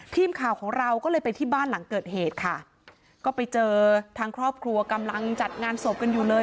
ทีมข่าวของเราก็เลยไปที่บ้านหลังเกิดเหตุค่ะก็ไปเจอทางครอบครัวกำลังจัดงานศพกันอยู่เลย